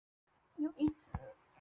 有一子。